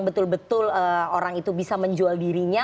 kalau memang betul betul orang itu bisa menjual dirinya